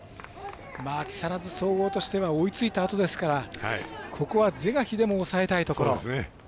木更津総合としては追いついたあとですからここは是が非でも抑えたいところ。